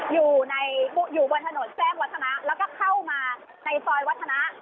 อยู่บนถนนแจ้งวัฒนะแล้วก็เข้ามาในซอยวัฒนะ